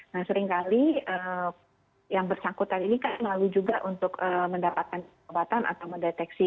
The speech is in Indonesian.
nah seringkali yang bersangkutan ini kan lalu juga untuk mendapatkan obatan atau mendeteksi